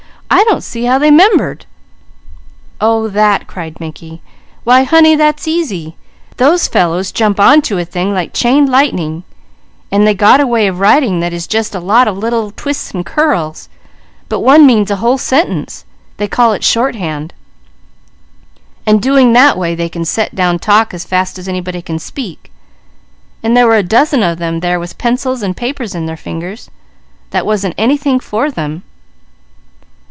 "I don't see how they 'membered." "Oh that!" cried Mickey. "Why honey, that's easy! Those fellows jump on to a thing like chained lightning, and they got a way of writing that is just a lot of little twists and curls, but one means a whole sentence they call it 'shorthand' and doing that way, they can set down talk as fast as anybody can speak, and there were a dozen of them there with pencils and paper in their fingers. That wasn't anything for them!"